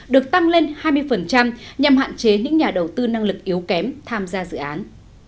được tăng lên hai mươi nhằm hạn chế những nhà đầu tư năng lực yếu kém tham gia dự án